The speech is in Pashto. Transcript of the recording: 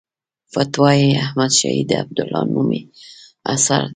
فتاوی احمدشاهي د عبدالله نومي اثر دی.